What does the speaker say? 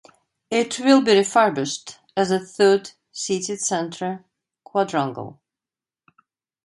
It will be refurbished as a third city centre quadrangle.